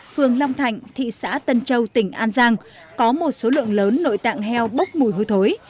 phường long thạnh thị xã tân châu tỉnh an giang có một số lượng lớn nội tạng heo bốc mùi hôi thối